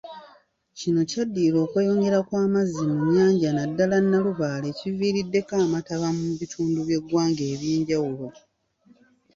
Kino kyaddirira okweyongera kw'amazzi mu nnyanja naddala Nalubaale ekiviiriddeko amataba mu bitundu by'eggwanga ebyenjawulo.